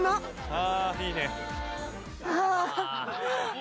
ああいいね！